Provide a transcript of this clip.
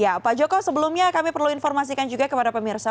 ya pak joko sebelumnya kami perlu informasikan juga kepada pemirsa